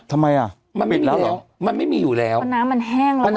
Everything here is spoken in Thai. ทำไมอ่ะมันปิดแล้วเหรอมันไม่มีอยู่แล้วเพราะน้ำมันแห้งแล้วนะ